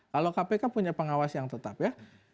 kalau kpk punya pengawas yang tetap ya